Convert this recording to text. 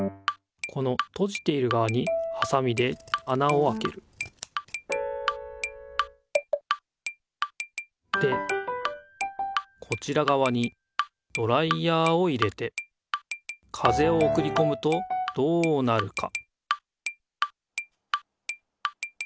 このとじているがわにはさみであなをあけるでこちらがわにドライヤーを入れて風をおくりこむとどうなるか？